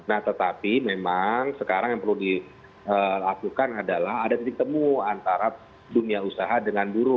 nah tetapi memang sekarang yang perlu dilakukan adalah ada titik temu antara dunia usaha dengan buruh